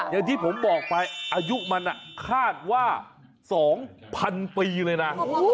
อย่างที่ผมบอกไปอายุมันคาดว่า๒๐๐๐ปีเลยนะ